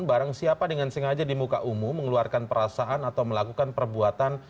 barang siapa dengan sengaja di muka umum mengeluarkan perasaan atau melakukan perbuatan